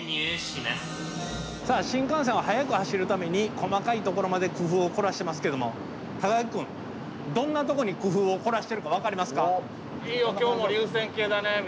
新幹線は速く走るために細かいところまで工夫を凝らしてますけども高木君どんなとこに工夫を凝らしてるか分かりますか？